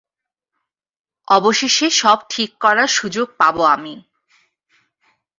অবশেষে সব ঠিক করার সুযোগ পাবো আমি।